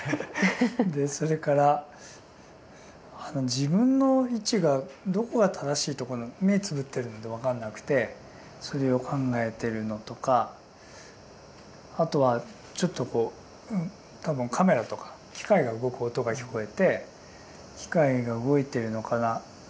それから自分の位置がどこが正しいとか目つぶっているので分からなくてそれを考えているのとかあとはちょっと多分カメラとか機械が動く音が聞こえて機械が動いているのかな？